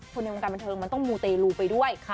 ในวงการบันเทิงมันต้องมูเตลูไปด้วย